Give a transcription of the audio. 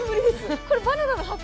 これバナナの葉っぱ？